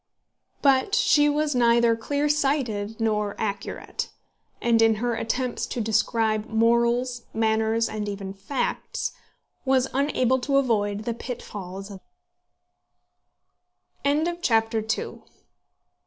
But she was neither clear sighted nor accurate; and in her attempts to describe morals, manners, and even facts, was unable to avoid the pitfalls of exaggeration.